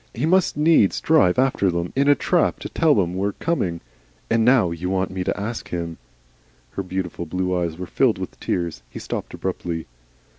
He must needs drive after them in a trap to tell them we're coming, and now you want me to ask him " Her beautiful blue eyes were filled with tears. He stopped abruptly.